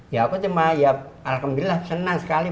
ya aku cuma ya alhamdulillah senang sekali